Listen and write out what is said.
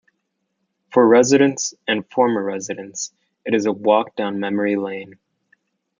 For residents and former residents it is a walk down memory lane.